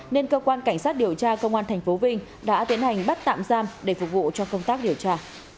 nên cơ quan cảnh sát điều tra công an tp vinh đã tiến hành bắt tạm giam để phục vụ cho công tác điều tra